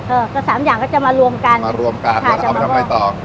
เออก็สามอย่างก็จะมารวมกันมารวมกันแล้วเอาไปทำไงต่อ